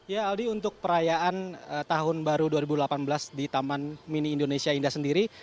ya aldi untuk perayaan tahun baru dua ribu delapan belas di taman mini indonesia indah sendiri